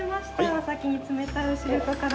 お先に冷たいおしるこから。